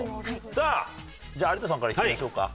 さあじゃあ有田さんからいきましょうか。